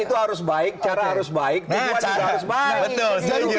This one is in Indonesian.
ini harus baik cara harus baik tujuan harus baik